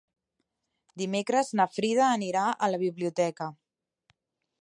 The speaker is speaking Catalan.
Dimecres na Frida anirà a la biblioteca.